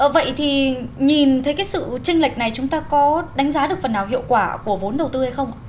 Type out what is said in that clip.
vậy thì nhìn thấy cái sự tranh lệch này chúng ta có đánh giá được phần nào hiệu quả của vốn đầu tư hay không